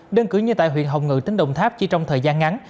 đơn cử như tại huyện hồng ngự tỉnh đồng tháp chỉ trong thời gian ngắn